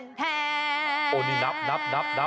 นี้นับ